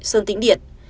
sơn tính điện